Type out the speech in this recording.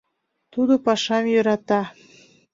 Тудо пашам йӧрата